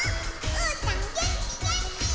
うーたんげんきげんき！